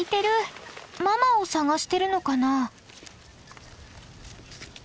ママを捜してるのかな？